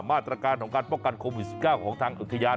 มาตรการของการป้องกันโควิด๑๙ของทางอุทยาน